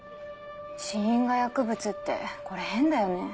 死因が薬物ってこれ変だよね？